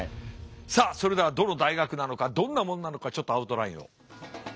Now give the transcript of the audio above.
さあそれではどの大学なのかどんなもんなのかちょっとアウトラインを。